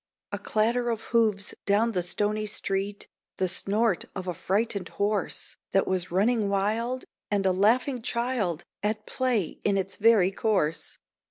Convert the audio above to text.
A clatter of hoofs down the stony street, The snort of a frightened horse That was running wild, and a laughing child At play in its very course.